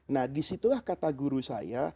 nah disitulah kata guru saya